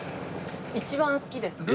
一番好きです。